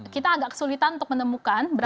kita agak kesulitan untuk menemukan